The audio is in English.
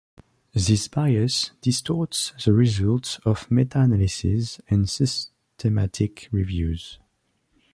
This bias distorts the results of meta-analyses and systematic reviews.